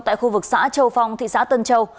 tại khu vực xã châu phong thị xã tân châu